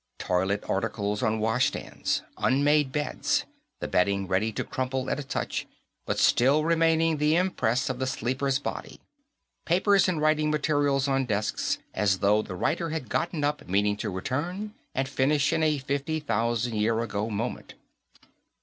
Toilet articles on washstands; unmade beds, the bedding ready to crumble at a touch but still retaining the impress of the sleeper's body; papers and writing materials on desks, as though the writer had gotten up, meaning to return and finish in a fifty thousand year ago moment.